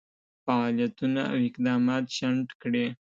فعالیتونه او اقدامات شنډ کړي.